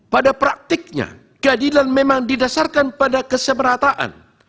pada praktiknya keadilan memang didasarkan pada kesemerataan